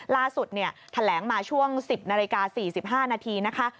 ล่าสุดแถลงมาช่วง๑๐นาฬิกา๔๕นาทีนะคะ